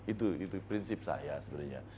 itu prinsip saya sebenarnya